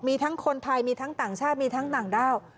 มีทั้งคนไทยมีทั้งต่างชาติมีทั้งต่างด้าว